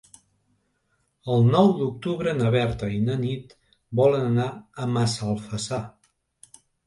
El nou d'octubre na Berta i na Nit volen anar a Massalfassar.